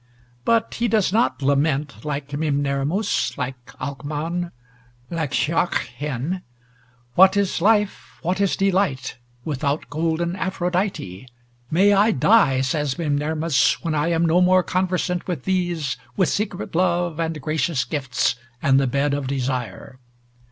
But he does not lament like Mimnermus, like Alcman, like Llwyarch Hen. "What is Life, what is delight without golden Aphrodite? May I die!" says Mimnermus, "when I am no more conversant with these, with secret love, and gracious gifts, and the bed of desire."